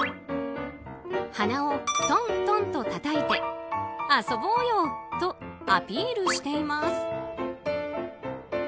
鼻をトントンとたたいて遊ぼうよ！とアピールしています。